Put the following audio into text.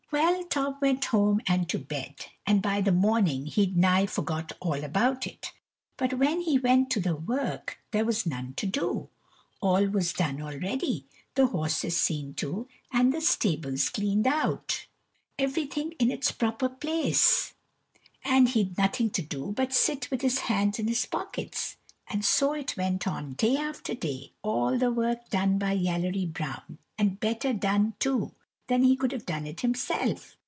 Well, Tom went home and to bed; and by the morning he'd nigh forgot all about it. But when he went to the work, there was none to do! all was done already, the horses seen to, the stables cleaned out, everything in its proper place, and he'd nothing to do but sit with his hands in his pockets. And so it went on day after day, all the work done by Yallery Brown, and better done, too, than he could have done it himself.